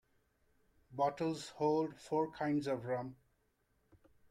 Bottles hold four kinds of rum.